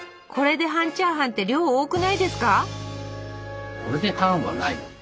これで半チャーハンって量多くないですか？